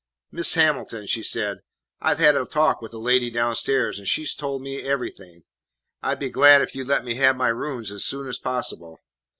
"Mis' Hamilton," she said, "I 've had a talk with the lady downstairs, an' she 's tol' me everything. I 'd be glad if you 'd let me have my rooms as soon as possible."